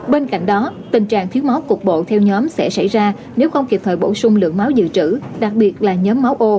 bên cạnh đó tình trạng thiếu máu cục bộ theo nhóm sẽ xảy ra nếu không kịp thời bỗng nhiễm